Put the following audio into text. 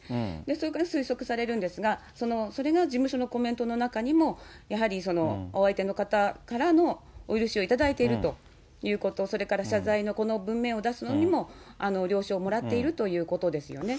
そういうことが推測されるんですが、それが事務所のコメントの中にも、やはりお相手の方からのお許しをいただいているということ、それから謝罪のこの文面を出すのにも了承をもらっているということですよね。